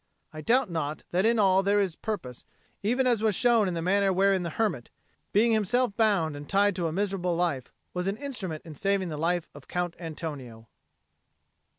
I doubt not that in all there is purpose; even as was shown in the manner wherein the hermit, being himself bound and tied to a miserable life, was an instrument in saving the life of Count Antonio.